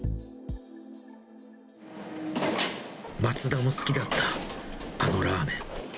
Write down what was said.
松田も好きだった、あのラーメン。